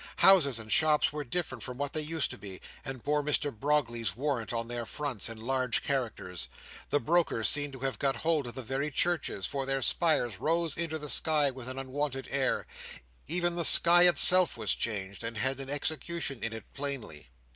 Houses and shops were different from what they used to be, and bore Mr Brogley's warrant on their fronts in large characters. The broker seemed to have got hold of the very churches; for their spires rose into the sky with an unwonted air. Even the sky itself was changed, and had an execution in it plainly.